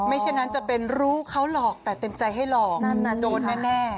ไม่ใช่นั้นจะเป็นรู้เขาหลอกแต่เต็มใจให้หลอกโดนแน่